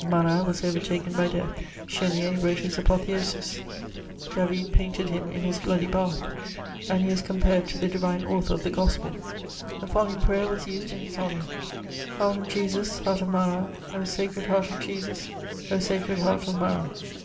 Maratwas overtakenby death ; Ch6nier wrote his apotheosis ; David painted him in his bloody bath ; and he was compared to die divine author oi the GospeL 322 MEMOIBS OF The following prayer was used in his honour :'< Heart of Jesus, heart of Marat ; O sacred heart of Jesus, O sacred heart of Marat."